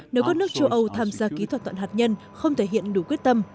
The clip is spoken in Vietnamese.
nếu các nước châu âu tham gia ký thỏa thuận hạt nhân không thể hiện đủ quyết tâm